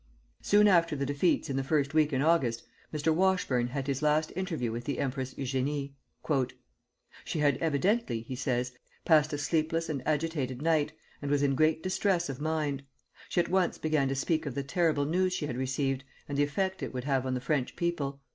Soon after the defeats in the first week in August, Mr. Washburne had his last interview with the Empress Eugénie. "She had evidently," he says, "passed a sleepless and agitated night, and was in great distress of mind. She at once began to speak of the terrible news she had received, and the effect it would have on the French people.